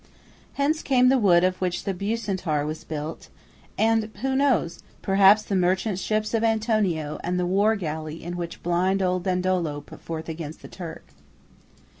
Hence came the wood of which the "Bucentaur" was built; and–who knows?–perhaps the merchant ships of Antonio and the war galley in which "blind old Dandolo" put forth against the Turk.